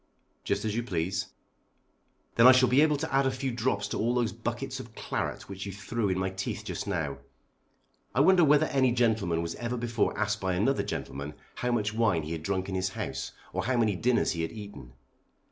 "Just as you please." "Then I shall be able to add a few drops to all those buckets of claret which you threw in my teeth just now. I wonder whether any gentleman was ever before asked by another gentleman how much wine he had drank in his house, or how many dinners he had eaten.